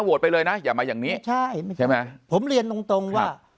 ไปเลยนะอย่ามาอย่างนี้ใช่ไม่ใช่ใช่ไหมผมเรียนตรงตรงว่า